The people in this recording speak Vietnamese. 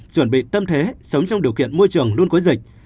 chuẩn bị tâm thế sống trong điều kiện môi trường luôn có dịch